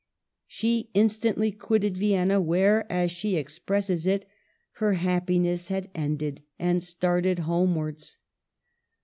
She instantly quitted Vienna, where, as she expresses it, " her happi ness had ended," and started homewards.